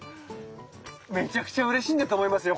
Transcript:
めちゃくちゃうれしいんだと思いますよ